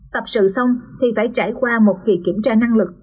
tập sự xong thì phải trải qua một kỳ kiểm tra năng lực